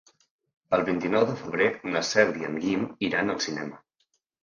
El vint-i-nou de febrer na Cel i en Guim iran al cinema.